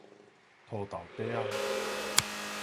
塗豆塊仔